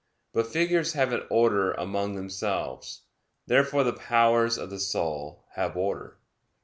But figures have an order among themselves. Therefore the powers of the soul have order.